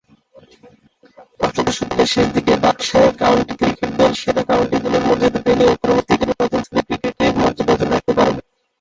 অষ্টাদশ শতকের শেষদিকে Berkshire county cricket দল সেরা কাউন্টি দলের মর্যাদা পেলেও পরবর্তীকালে প্রথম-শ্রেণীর ক্রিকেটে মর্যাদা ধরে রাখতে পারেনি।